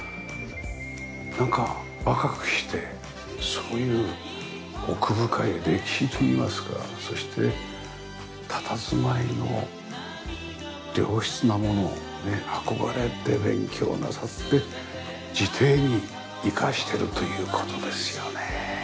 なんか若くしてそういう奥深い歴史といいますかそしてたたずまいの良質なものを憧れて勉強なさって自邸に生かしてるという事ですよね。